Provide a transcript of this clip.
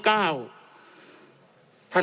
จำนวนเนื้อที่ดินทั้งหมด๑๒๒๐๐๐ไร่